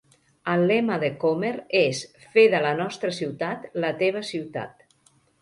El lema de Comer és "Fer de la nostra ciutat la teva ciutat".